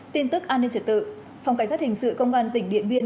tin tức an ninh trật tự phòng cảnh sát hình sự công an tỉnh điện biên